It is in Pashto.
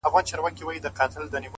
وبېرېدم”